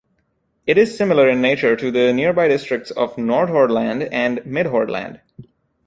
It is similar in nature to the nearby districts of Nordhordland and Midhordland.